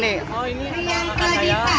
kelas junior atau